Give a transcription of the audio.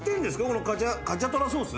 このカチャトラソース？